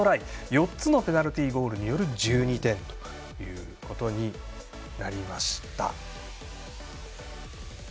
４つのペナルティゴールによる１２点ということになりました。